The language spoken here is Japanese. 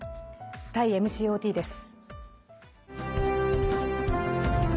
タイＭＣＯＴです。